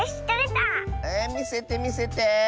えみせてみせて！